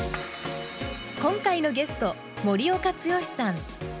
今回のゲスト森岡毅さん。